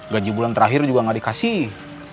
gaji bulan terakhir juga nggak dikasih